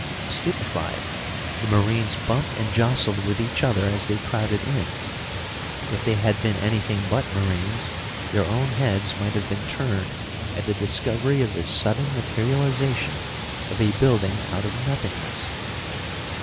Stupefied, the Marines bumped and jostled with each other as they crowded in. If they had been anything but Marines, their own heads might have been turned at the discovery of this sudden materialization of a building out of nothingness.